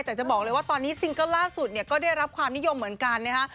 แต่จะบอกเลยว่าตอนนี้ซิงเกิลล่าสุดเนี่ยก็ได้รับความนิยมเหมือนกันนะฮะ